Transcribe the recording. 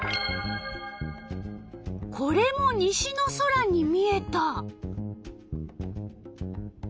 これも西の空に見えた。